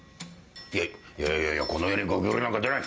いやいやいやいやこの家にゴキブリなんか出ない。